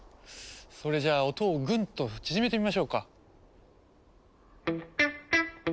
それじゃあ音をグンと縮めてみましょうか。